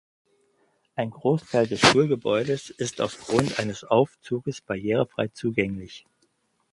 Ein Großteil des Schulgebäude ist aufgrund eines Aufzuges barrierefrei zugänglich.